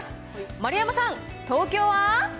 丸山さん、東京は？